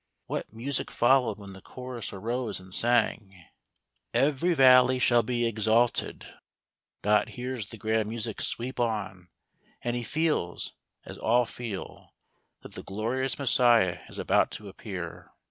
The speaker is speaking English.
What music followed when the chorus arose and sang :" Every valley shall be exalted !" Dot hears the grand music sweep on, and he feels, as all feel, that the glorious Messiah is about to appear.